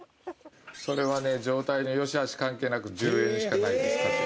「それはね状態の良し悪し関係なく１０円しかないです価値」